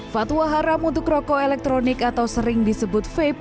fatwa haram untuk rokok elektronik atau sering disebut vape